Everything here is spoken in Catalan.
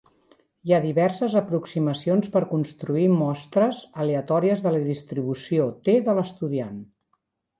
Hi ha diverses aproximacions per construir mostres aleatòries de la distribució "t" de l'estudiant.